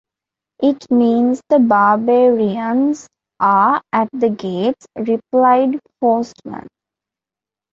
"It means the barbarians are at the gates," replied Forstmann.